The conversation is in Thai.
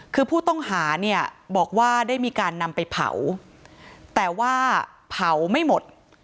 คือผู้ต้องหาเนี่ยบอกว่าได้มีการนำไปเผาแต่ว่าเผาไม่หมด